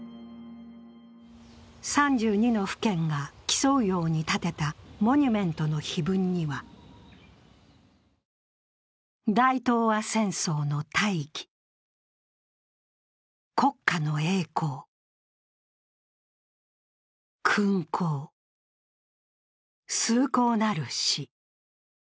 ３２の府県が競うように建てたモニュメントの碑文には、大東亜戦争の大義、国家の栄光、勲功、崇高なる死。